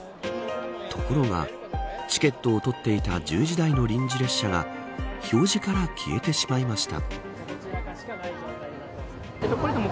ところが、チケットを取っていた１０時台の臨時列車が表示から消えてしまいました。